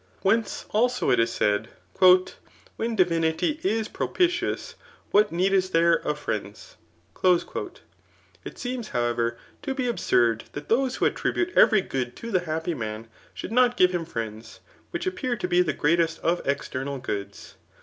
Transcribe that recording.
Whence, also, it is said, " When divinity is propitious, what need is there of fiiends ?" It seems, however, to be absurd that those who attribute evexy good to the happy man^ should not give him friends^ whichvappear to be the greatest of external goods.